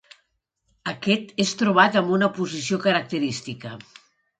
Aquest és trobat amb una posició característica.